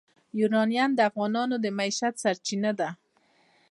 یورانیم د افغانانو د معیشت سرچینه ده.